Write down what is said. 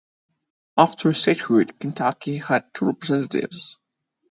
After statehood, Kentucky had two representatives.